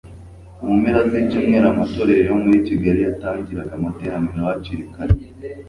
mu mpera z'icyumweru amatorero yo muri kigali yatangiraga amateraniro hakiri kare